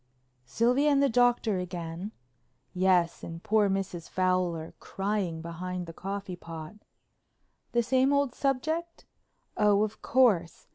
"Sylvia and the Doctor again?" "Yes, and poor Mrs. Fowler crying behind the coffee pot." "The same old subject?" "Oh, of course.